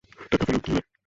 টাকা ফেরত দিয়ে দে!